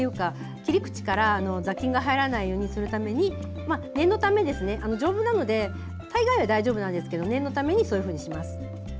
切り口から雑菌が入らないようにするために念のため、丈夫なので大概は大丈夫なんですが念のためにそういうふうにします。